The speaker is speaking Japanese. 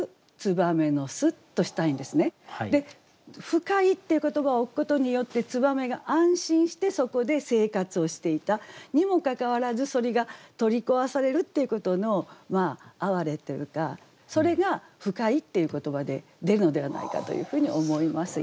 「深い」っていう言葉を置くことによって燕が安心してそこで生活をしていたにもかかわらずそれが取り壊されるっていうことのあわれというかそれが「深い」っていう言葉で出るのではないかというふうに思います。